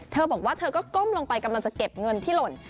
เธอบอกว่าเธอก็ก้มลงไปกำลังจะเก็บเงินที่หล่น